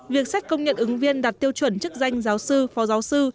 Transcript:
việc xét công nhận ứng viên đạt tiêu chuẩn chức danh giáo sư phó giáo sư